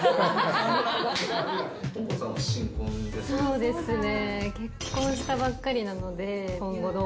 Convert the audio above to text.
そうですね。